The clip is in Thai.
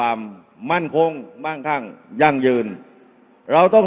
อย่าให้ลุงตู่สู้คนเดียว